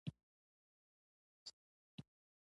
د روم د امپراتورۍ سقوط مهمه پېښه ده.